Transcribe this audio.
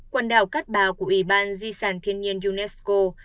quần đào cắt bào của ủy ban di sản thiên nhiên unesco